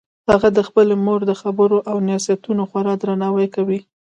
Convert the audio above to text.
هغه د خپلې مور د خبرو او نصیحتونو خورا درناوی کوي